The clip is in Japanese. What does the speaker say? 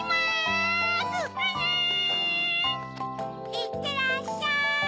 いってらっしゃい。